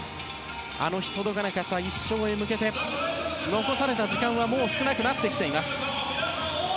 あの日、届かなかった１勝へ向けて、残された時間はもう少なくなってきています。